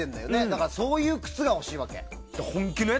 だから、そういう靴が欲しいわけ。